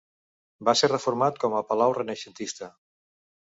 Va ser reformat com a Palau renaixentista.